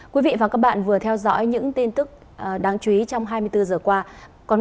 quý vị và các bạn vừa theo dõi những tin tức đáng nhớ